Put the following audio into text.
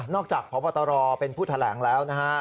จากพบตรเป็นผู้แถลงแล้วนะฮะ